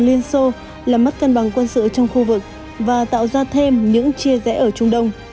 liên xô làm mất cân bằng quân sự trong khu vực và tạo ra thêm những chia rẽ ở trung đông